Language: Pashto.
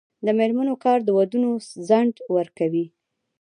د میرمنو کار د ودونو ځنډ ورکوي.